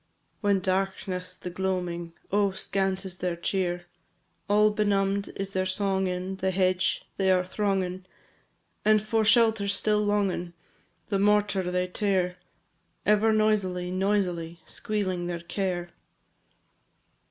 VII. When darkens the gloaming Oh, scant is their cheer! All benumb'd is their song in The hedge they are thronging, And for shelter still longing, The mortar they tear; Ever noisily, noisily Squealing their care.